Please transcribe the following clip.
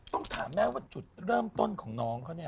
ต้องถามแม่ว่าจุดเริ่มต้นของน้องเขาเนี่ย